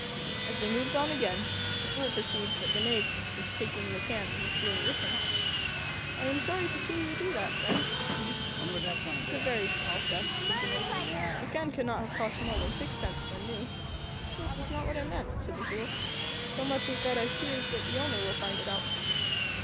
As they moved on again, the Fool perceived that the Knave was taking the can and the spoon with him. "I am sorry to see you do that, friend," said he. "It's a very small theft," said the Knave. "The can cannot have cost more than sixpence when new." "That was not what I meant," said the Fool, "so much as that I fear the owner will find it out."